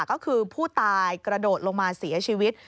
ก็คือผู้ตายกระโดดลงมาเสียชีวิต